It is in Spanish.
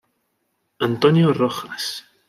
Antonio Rojas.